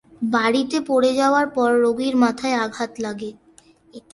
বাড়িতে পড়ে যাওয়ার পর রোগীর মাথায় আঘাত লাগে।